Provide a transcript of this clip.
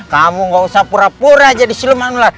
kamu gak usah pura pura jadi siluman ular